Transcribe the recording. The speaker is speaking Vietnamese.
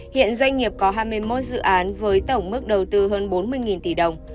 hiện doanh nghiệp có hai mươi một dự án với tổng mức đầu tư hơn bốn mươi tỷ đồng